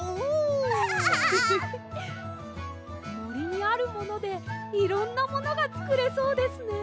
もりにあるものでいろんなものがつくれそうですね。